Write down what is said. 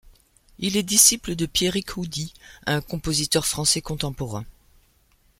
Il est disciple de Pierick Houdy, un compositeur français contemporain.